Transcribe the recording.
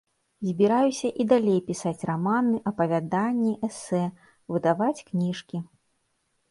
Збіраюся і далей пісаць раманы, апавяданні, эсэ, выдаваць кніжкі.